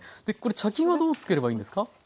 これ茶巾はどうつければいいんですか？